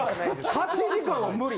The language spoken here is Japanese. ８時間は無理。